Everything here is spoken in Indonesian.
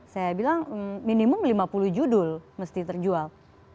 saya bilang minimum lima puluh judul mesti terjual